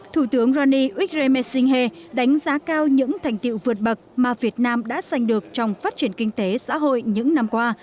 thủ tướng ronnie uyghur metsinghe đánh giá cao những thành tiệu vượt bậc mà việt nam đã sành được trong phát triển kinh tế xã hội những năm qua